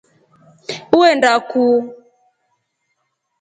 Uenda kuu?